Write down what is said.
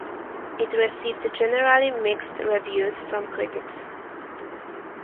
It received generally mixed reviews from critics.